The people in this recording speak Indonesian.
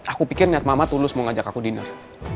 aku pikir niat mama tulus mau ngajak aku dinner